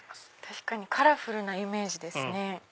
確かにカラフルなイメージですね。